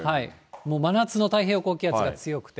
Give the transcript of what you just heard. もう真夏の太平洋高気圧が強くて。